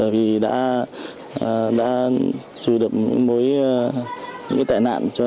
vì đã trừ được